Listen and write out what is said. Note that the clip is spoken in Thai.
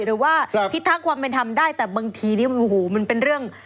หรือว่าพิทักษ์ความเป็นธรรมได้แต่บางทีนี่โอ้โหมันเป็นเรื่อง